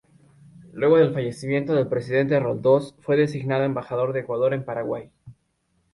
Luego del fallecimiento del presidente Roldós fue designado embajador de Ecuador en Paraguay.